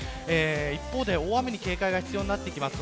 一方で、大雨に警戒が必要になります。